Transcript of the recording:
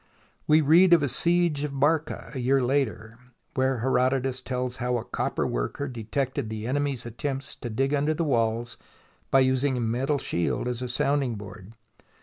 We read of a siege of Barca, a year later, where Herodotus tells how a copper worker detected the enemy's attempts to dig under the walls by using a metal shield as a sounding board.